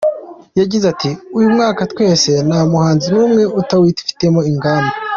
Yagize ati “Uyu mwaka twese nta muhanzi n’umwe utawufitemo ingamba.